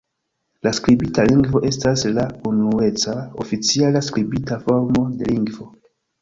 La skribita lingvo estas la unueca, oficiala skribita formo de lingvo.